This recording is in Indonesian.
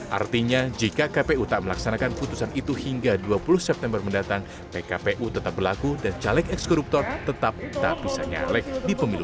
artinya jika kpu tak melaksanakan putusan itu hingga dua puluh september mendatang pkpu tetap berlaku dan caleg ekskoruptor tetap tak bisa nyalek di pemilu dua ribu sembilan belas